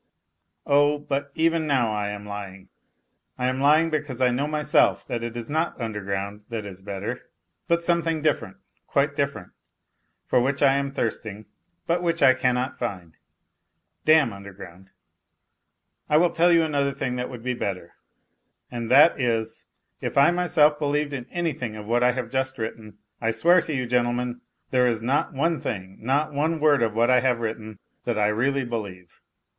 ... Oh, but even now I am lying I I am lying because I know myself that it is not underground that is better, but something different, qiute different, for which I am thirsting, but which I cannot find ! Damn underground ! I will tell you another thing that would be better, and that is, if I myself believed in anything of what I have just written. I swear to you, gentlemen, there is not one thing, not one word of what I have written that I really believe.